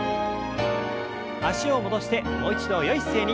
脚を戻してもう一度よい姿勢に。